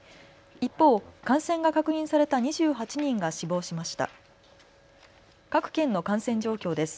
一方、感染が確認された２８人が死亡しました。